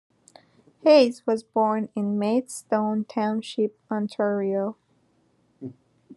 Hayes was born in Maidstone Township, Ontario.